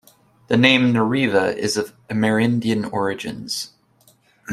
The name "Nariva" is of Amerindian origins.